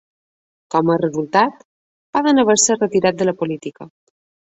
Com a resultat, poden haver-se retirat de la política.